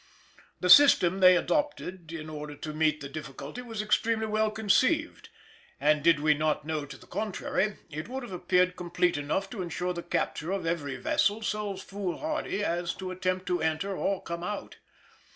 The system they adopted in order to meet the difficulty was extremely well conceived, and, did we not know to the contrary, it would have appeared complete enough to ensure the capture of every vessel so foolhardy as to attempt to enter or come out.